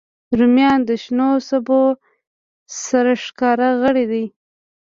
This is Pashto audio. رومیان د شنو سبو سرښکاره غړی دی